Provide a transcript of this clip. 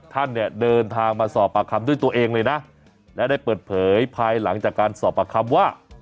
ท่านเนี่ยเดินทางมาสอบปากคำด้วยตัวเองเลยนะและได้เปิดเผยภายหลังจากการสอบปากคำว่า